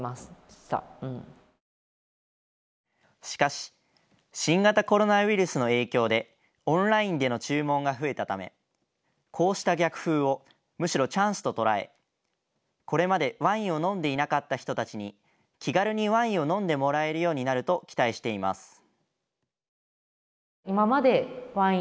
しかし新型コロナウイルスの影響でオンラインでの注文が増えたため、こうした逆風をむしろチャンスと捉えこれまでワインを飲んでいなかった人たちに気軽にワインを飲んでもらえるようになると期待しています。